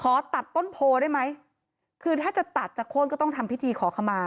ขอตัดต้นโพได้ไหมคือถ้าจะตัดจะโค้นก็ต้องทำพิธีขอขมา